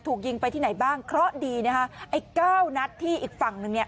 ถูกยิงไปที่ไหนบ้างเคราะห์ดีนะคะไอ้เก้านัดที่อีกฝั่งหนึ่งเนี่ย